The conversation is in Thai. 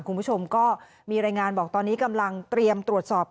คุณผู้ชมก็มีรายงานบอกตอนนี้กำลังเตรียมตรวจสอบ